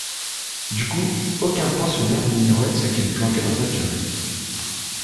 Du coup, aucun pensionnaire n’ignorait ce qu’il planquait dans sa piaule